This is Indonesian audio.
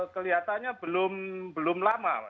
kelihatannya belum lama